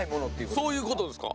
そういうことですか？